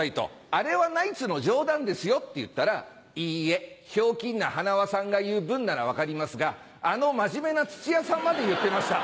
「あれはナイツの冗談ですよ」って言ったら「いいえひょうきんな塙さんが言う分なら分かりますがあの真面目な土屋さんまで言ってました。